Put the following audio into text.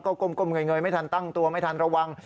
ก้มเงยไม่ทันตั้งตัวไม่ทันระวัง